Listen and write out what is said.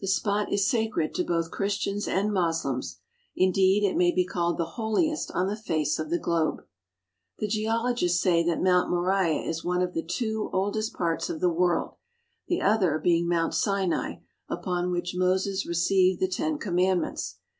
The spot is sacred to both Christians and Moslems. Indeed, it may be called the holiest on the face of the globe. The geologists say that Mount Moriah is one of the two oldest parts of the world, the other being Mount Sinai, upon which Moses received the Ten Command ments.